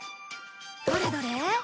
どれどれ？